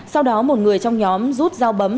sau đó một người trong nhóm rút dao bấm